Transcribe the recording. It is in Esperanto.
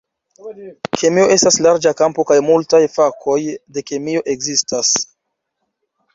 Kemio estas larĝa kampo kaj multaj fakoj de kemio ekzistas.